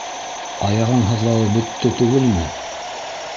— Аяғың һыҙлауы бөттө түгелме?